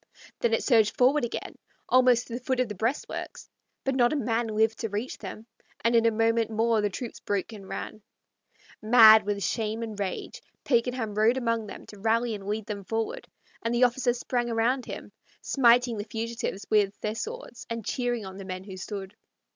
Then it surged forward again, almost to the foot of the breastworks; but not a man lived to reach them, and in a moment more the troops broke and ran back. Mad with shame and rage, Pakenham rode among them to rally and lead them forward, and the officers sprang around him, smiting the fugitives with their swords and cheering on the men who stood.